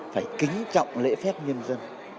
phải kính trọng lễ phép nhân dân